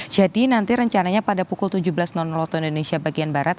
jadi nanti rencananya pada pukul tujuh belas waktu indonesia bagian barat